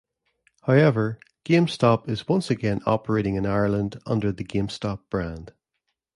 However, GameStop is once again operating in Ireland under the GameStop brand.